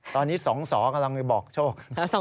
ตอนนี้๒สอกำลังไปบอกโชคนะ